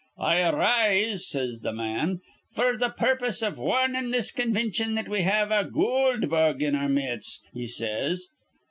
'I arise,' says th' ma an, 'f'r th' purpose iv warnin' this convintion that we have a goold bug in our mist,' he says.